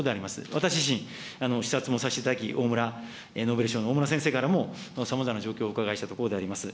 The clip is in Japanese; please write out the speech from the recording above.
私自身、視察もさせていただき、大村、ノーベル賞の大村先生からもさまざまな状況をお伺いしたところでございます。